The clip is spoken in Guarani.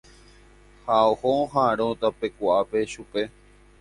Ha oho oha'ãrõ tapeku'ápe chupe.